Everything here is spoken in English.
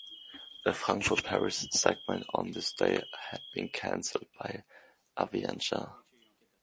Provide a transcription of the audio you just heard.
The Frankfurt-Paris segment on this day had been cancelled by Avianca.